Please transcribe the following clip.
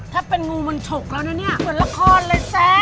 ถ้าเป็นงูมันฉกแล้วนะเนี่ยเหมือนละครเลยแซะ